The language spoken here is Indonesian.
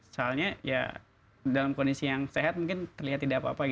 soalnya ya dalam kondisi yang sehat mungkin terlihat tidak apa apa